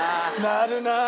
なるなあ。